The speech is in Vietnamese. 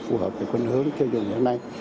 phù hợp với khuyến hướng tiêu dùng như thế này